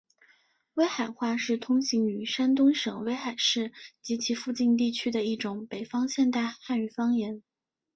威海话是通行于山东省威海市及其附近地区的一种北方现代汉语方言。